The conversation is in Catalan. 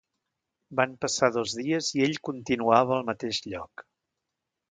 Van passar dos dies i ell continuava al mateix lloc.